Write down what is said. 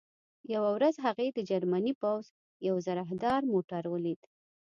یوه ورځ هغې د جرمني پوځ یو زرهدار موټر ولید